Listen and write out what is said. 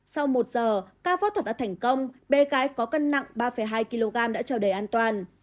sau một giờ ca phó thuật đã thành công bê cái có cân nặng ba hai kg đã trở đầy an toàn